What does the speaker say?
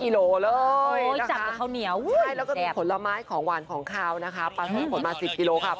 แล้วก็ผลไม้ของหวานของคาวนะคะปลาส่วนผลมา๑๐กิโลกรัม